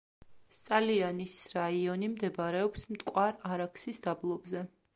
სალიანის რაიონი მდებარეობს მტკვარ-არაქსის დაბლობზე.